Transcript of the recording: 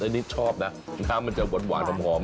นี่นิชชอบน่ะน้ำมันจะปลดหวานปลดมาก่อน